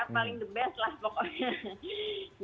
paling the best lah pokoknya